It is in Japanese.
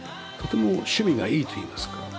とても趣味がいいといいますか。